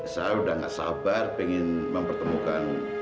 saya udah gak sabar pengen mempertemukan